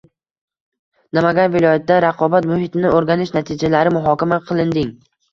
Namangan viloyatida raqobat muhitini o‘rganish natijalari muhokama qilinding